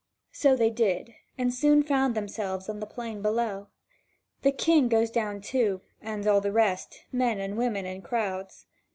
So they did, and soon found themselves on the plain below. The King goes down too, and all the rest, men and women in crowds.